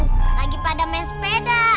lagi pada main sepeda